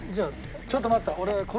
ちょっと待って。